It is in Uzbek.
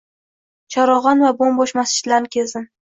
Charog‘on va bo‘m-bo‘sh masjidlarni kezdim